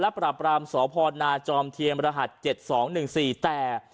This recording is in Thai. และปราบรามสพนาจอมเทียนรหัสเจ็ดสองหนึ่งสี่แต่